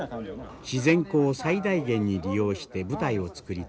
「自然光を最大限に利用して舞台を作りたい」。